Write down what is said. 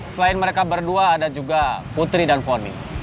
selain mereka berdua ada juga putri dan foni